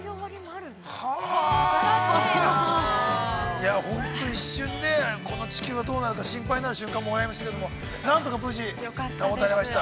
◆いや、本当に、一瞬ね、この地球はどうなるか心配になる瞬間もありましたけれどもなんとか無事、終わりになりました。